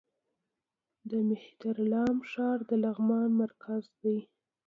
د مهترلام ښار د لغمان مرکز دی